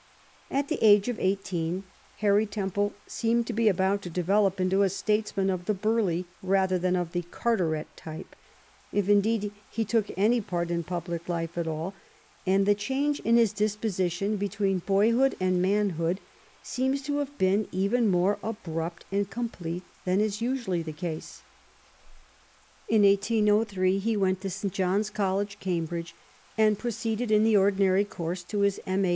At the age of eighteen, Harry Templo seemed to be about to develop into a statesman of the Burleigh rather than of the Carteret type, if indeed he took any part in public life at all ; and the change in his disposition between boyhood and manhood seems to have been even more abrupt and complete than is usually the case. In 1808 he went to St. John's College, Cambridge, and proceeded in the ordinary course to his M.A.